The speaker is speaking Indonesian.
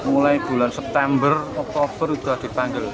mulai bulan september oktober sudah dipanggil